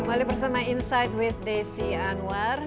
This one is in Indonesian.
kembali bersama insight with desi anwar